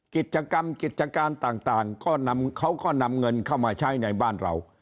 กิจกรรมกิจการต่างก็นำเขาก็นำเงินเข้ามาใช้ในบ้านเรา